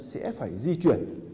sẽ phải di chuyển